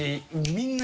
みんな